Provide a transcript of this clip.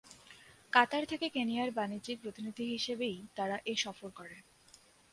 কাতার থেকে কেনিয়ার বাণিজ্যিক প্রতিনিধি হিসেবেই তারা এ সফর করে।